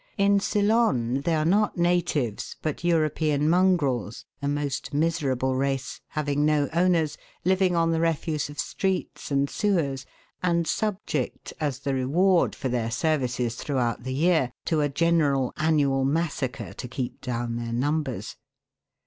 In Ceylon they are not natives, but European mongrels, a most miserable race, having no owners, living on the refuse of streets and sewers, 246 THE WORLDS LUMBER ROOM. and subject, as the reward for their services throughout the year, to a general annual massacre to keep down their numbers.